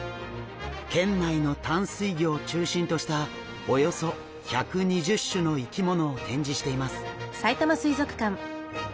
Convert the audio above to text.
県内の淡水魚を中心としたおよそ１２０種の生き物を展示しています。